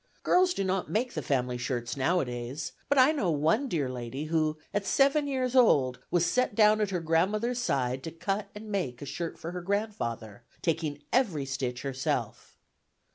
Girls do not make the family shirts nowadays; but I know one dear lady who at seven years old was set down at her grandmother's side to cut and make a shirt for her grandfather, taking every stitch herself.